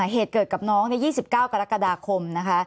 เหตุเกิดกับน้องใน๒๙กรกฎาคมนะคะ